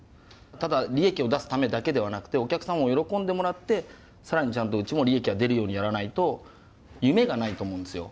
ただ利益を出すためだけではなくてお客さんも喜んでもらって更にちゃんとうちも利益が出るようにやらないと夢がないと思うんですよ。